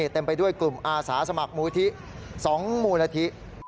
เต็มไปด้วยกลุ่มอาสาสมัครมูลที่๒มูลนิธิ